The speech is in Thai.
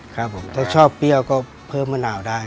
ครับผมถ้าชอบเปรี้ยวก็เพิ่มมะนาวได้